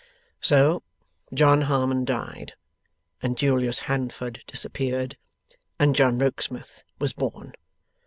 'So John Harmon died, and Julius Handford disappeared, and John Rokesmith was born.